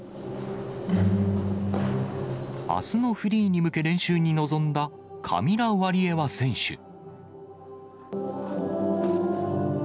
あすのフリーに向け、練習に臨んだカミラ・ワリエワ選手。